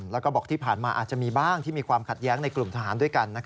แล้วก็บอกที่ผ่านมาอาจจะมีบ้างที่มีความขัดแย้งในกลุ่มทหารด้วยกัน